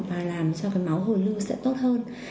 và làm cho máu hồi lưu sẽ tốt hơn